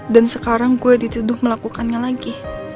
dan sekarang gue dituduh melakukannya lagi